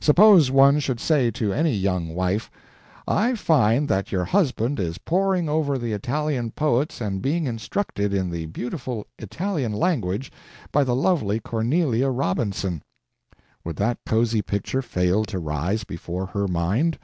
Suppose one should say to any young wife: "I find that your husband is poring over the Italian poets and being instructed in the beautiful Italian language by the lovely Cornelia Robinson" would that cozy picture fail to rise before her mind?